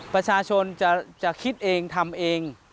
ประชาชนจะคิดเองทำเอง